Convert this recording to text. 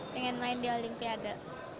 pengen main di olimpiade